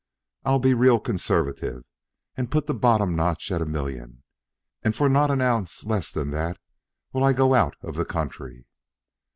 "I'll be real conservative, and put the bottom notch at a million. And for not an ounce less'n that will I go out of the country."